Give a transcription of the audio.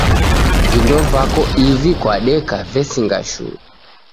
Vindo vako ivi kwadeka vesinga shuu